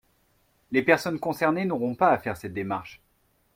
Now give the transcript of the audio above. Les personnes concernées n’auront pas à faire cette démarche.